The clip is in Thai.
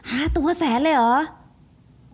ตัวแสนเลยเหรอ